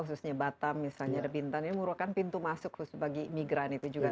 khususnya batam misalnya ada bintang ini merupakan pintu masuk khusus bagi imigran itu juga